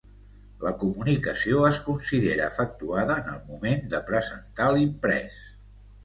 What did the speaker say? La comunicació es considera efectuada en el moment de presentar l'imprès.